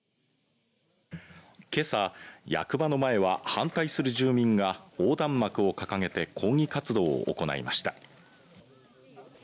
けさ、役場の前は反対する住民が横断幕を掲げて抗議活動を行いました。